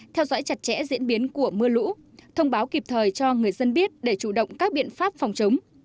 theo dõi chặt chẽ diễn biến của mưa lũ thông báo kịp thời cho người dân biết để chủ động các biện pháp phòng chống